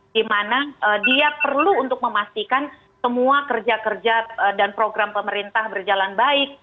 dimana dia perlu untuk memastikan semua kerja kerja dan program pemerintah berjalan baik